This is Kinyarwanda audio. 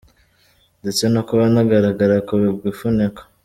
Ndetse no kuba nagaragara ku gifuniko.